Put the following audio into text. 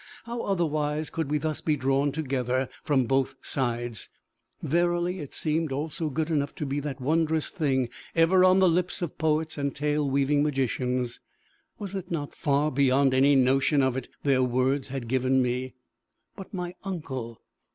How otherwise could we thus be drawn together from both sides! Verily it seemed also good enough to be that wondrous thing ever on the lips of poets and tale weaving magicians! Was it not far beyond any notion of it their words had given me? But my uncle!